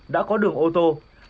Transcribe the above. đã có đường ô tô